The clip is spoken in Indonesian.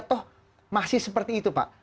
toh masih seperti itu pak